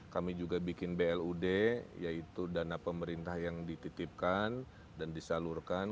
kami juga bikin blud yaitu dana pemerintah yang dititipkan dan disalurkan